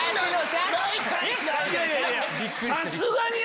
さすがに。